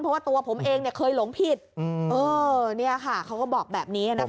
เพราะว่าตัวผมเองเนี่ยเคยหลงผิดเออเนี่ยค่ะเขาก็บอกแบบนี้นะครับ